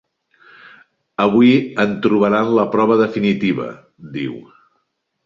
Aquí en trobaran la prova definitiva —diu.